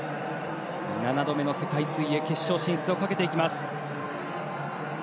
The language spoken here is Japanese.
７度目の世界水泳決勝進出をかけていきます。